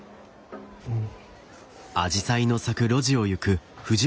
うん。